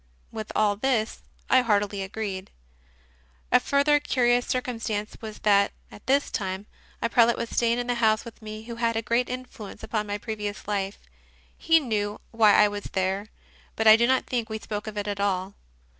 With all this I heartily agreed. A further curious circumstance was that, at this time, a prelate was staying in the house with me who had had a great influence upon my previous life. He knew why I was there, but I do not think we spoke of it at all.